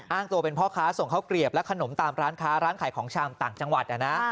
อ้างตัวเป็นพ่อค้าส่งข้าวเกลียบและขนมตามร้านค้าร้านขายของชามต่างจังหวัดนะ